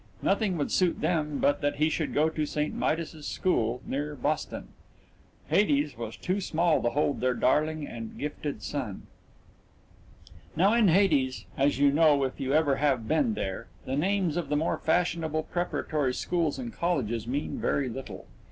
Nothing would suit them but that he should go to St. Midas's School near Boston Hades was too small to hold their darling and gifted son. Now in Hades as you know if you ever have been there the names of the more fashionable preparatory schools and colleges mean very little.